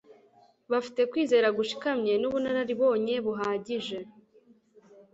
bafite kwizera gushikamye n'ubunararibonye buhagije.